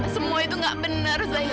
semua itu gak benar zaira